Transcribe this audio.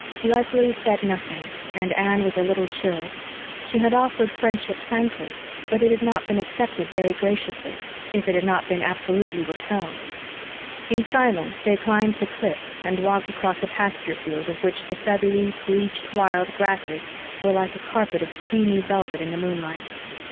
Leslie said nothing, and Anne was a little chilled. She had offered friendship frankly but it had not been accepted very graciously, if it had not been absolutely repelled. In silence they climbed the cliffs and walked across a pasture field of which the feathery, bleached, wild grasses were like a carpet of creamy velvet in the moonlight.